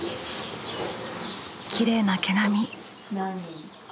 きれいな毛並み。